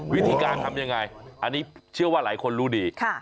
วิธีการทำยังไงอันนี้เชื่อว่าหลายคนรู้ดี